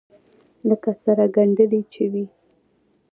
لکه سره گنډلې چې وي.